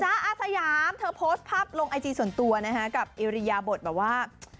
อาสยามเธอโพสต์ภาพลงไอจีส่วนตัวนะฮะกับอิริยาบทแบบว่า